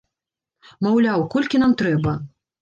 Маўляў, колькі нам трэба?